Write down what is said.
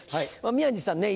宮治さんね